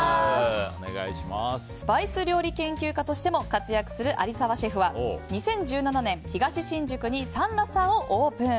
スパイス料理研究家としても活躍する有澤シェフは２０１７年、東新宿にサンラサーをオープン。